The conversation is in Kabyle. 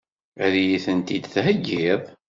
Ad iyi-tent-id-theggiḍ?